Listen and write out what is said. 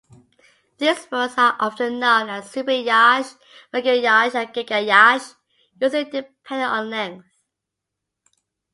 These boats are often known as super-yachts, mega-yachts and giga-yachts, usually depending on length.